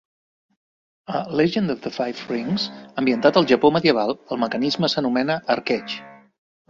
A "Legend of the Five Rings", ambientat al japó medieval, el mecanisme s'anomena "arqueig".